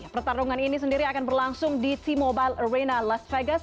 pertarungan ini sendiri akan berlangsung di t mobile arena last vegas